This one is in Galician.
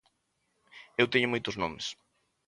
Eu teño moitos nomes.